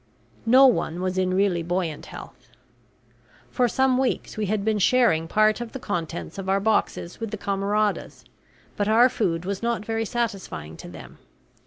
No one was in really buoyant health. For some weeks we had been sharing part of the contents of our boxes with the camaradas; but our food was not very satisfying to them.